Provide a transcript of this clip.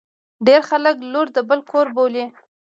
ډیر خلګ لور د بل کور بولي.